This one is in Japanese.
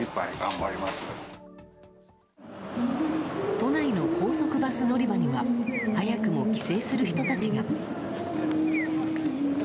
都内の高速バス乗り場には早くも帰省する人たちが。